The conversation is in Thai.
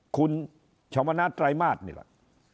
คุณชวนนาศไตรมาสนี่แหละ